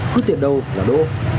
hứt tiện đâu là đỗ